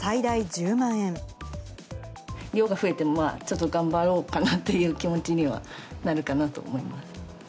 量が増えても、ちょっと頑張ろうかなっていう気持ちにはなるかなと思います。